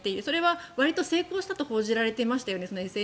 それはわりと成功したと報じられていましたよね。